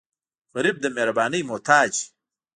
غریب د مهربانۍ محتاج وي